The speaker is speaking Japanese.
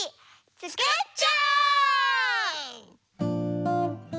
つくっちゃおう！